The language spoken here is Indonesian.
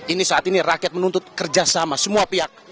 ini saat ini rakyat menuntut kerjasama semua pihak